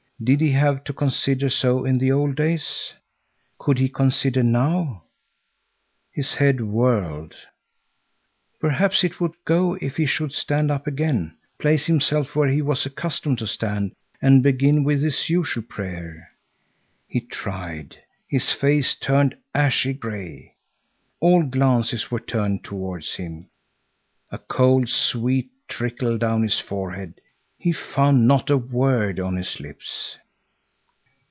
Did he have to consider so in the old days? Could he consider now? His head whirled. Perhaps it would go if he should stand up again, place himself where he was accustomed to stand, and begin with his usual prayer. He tried. His face turned ashy gray. All glances were turned towards him. A cold sweat trickled down his forehead. He found not a word on his lips.